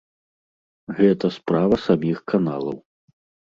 Гэта справа саміх каналаў.